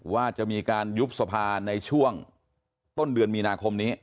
ว่าจะมีการยุบสภาในช่วงต้นเดือนมีนาคมนี้